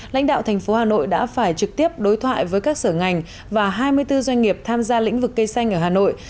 lãnh đạo thành phố hà nội đã phải trực tiếp đối thoại với các sở ngành và hai mươi bốn doanh nghiệp tham gia lĩnh vực cây xanh ở hà nội